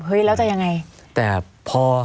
แต่พอแฟนบอลเข้าใจผมเชื่อว่าวันนี้แฟนบอลทั้งประเทศ